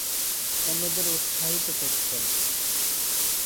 অন্যদের উৎসাহিত করতেন।